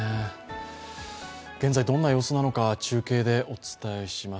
現在、どんな様子なのか中継でお伝えします。